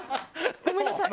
ごめんなさい。